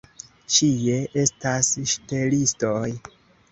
Ĉie estas ŝtelistoj.